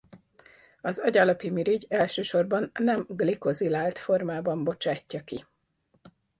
Az agyalapi mirigy elsősorban nem-glikozilált formában bocsátja ki.